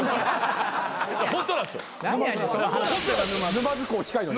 沼津港近いのに？